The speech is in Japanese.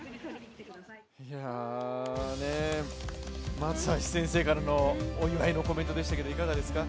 松橋先生からのお祝いのコメントでしたけど、いかがですか。